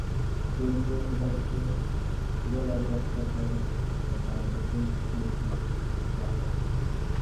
যদিও সুধাংশু দৃঢ়ভাবে অস্বীকার করে ও জানায় নতুন মেয়েটি জাল কল্পনা।